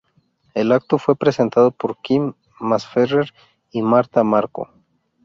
El acto fue presentado por Quim Masferrer y Marta Marco.